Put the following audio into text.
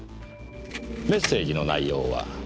メッセージの内容は。